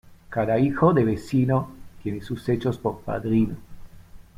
Cada hijo de vecino tiene sus hechos por padrino.